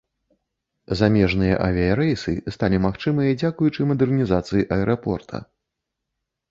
Замежныя авіярэйсы сталі магчымыя дзякуючы мадэрнізацыі аэрапорта.